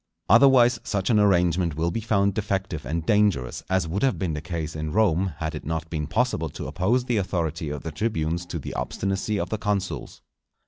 Otherwise such an arrangement will be found defective and dangerous; as would have been the case in Rome, had it not been possible to oppose the authority of the tribunes to the obstinacy of the consuls.